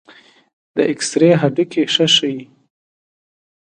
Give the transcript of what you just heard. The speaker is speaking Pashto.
د ایکسرې هډوکي ښه ښيي.